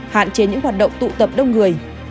hạn chế những hoạt động tụ tập đông người